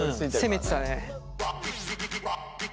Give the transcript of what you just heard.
攻めてたね。